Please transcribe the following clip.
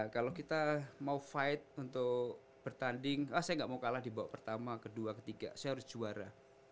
kalau kita mau fight untuk bertanding ah saya gak mau kalah di bawah pertama kedua ketiga saya harus juara